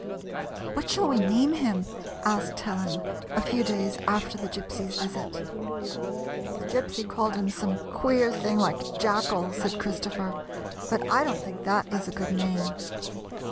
" What shall we name him?" asked Helen, a few days after the Gypsy's visit. " The Gypsy called him some queer thing like * Jackal,' " said Christopher, " but I don't think that is a good name."